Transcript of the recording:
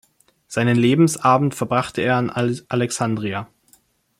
Seinen Lebensabend verbrachte er in Alexandria.